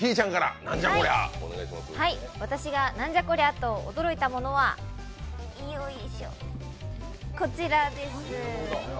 私が「なんじゃこりゃ！と驚いたもの」はこちらです。